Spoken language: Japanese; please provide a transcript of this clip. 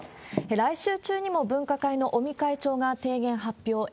来週中にも分科会の尾身会長が提言発表へ。